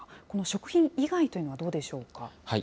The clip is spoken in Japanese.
この食品以外というのはどうでしょうか。